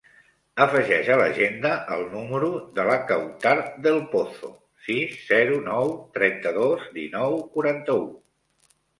Afegeix a l'agenda el número de la Kawtar Del Pozo: sis, zero, nou, trenta-dos, dinou, quaranta-u.